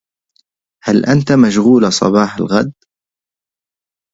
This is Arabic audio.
هل أنت مشغول صباح الغد ؟